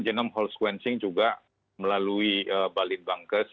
genome whole sequencing juga melalui balin bankes